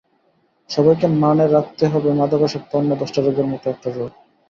সবাইকে মানে রাখতে হবে মাদকাসক্ত অন্য দশটা রোগের মতো একটা রোগ।